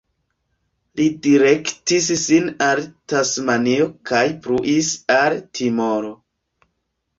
Li direktis sin al Tasmanio kaj pluis al Timoro.